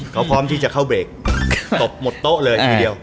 เขาพร้อมที่จะเข้าเบรกตบหมดโต๊ะเลยทีเดียว